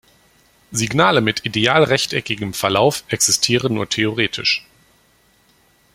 Signale mit ideal rechteckigem Verlauf existieren nur theoretisch.